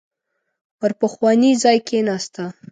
پر پخواني ځای کېناسته.